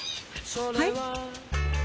はい？